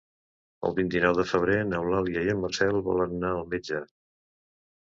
El vint-i-nou de febrer n'Eulàlia i en Marcel volen anar al metge.